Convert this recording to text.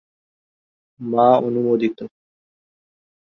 মা অনুমোদিত।